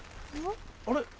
あれ？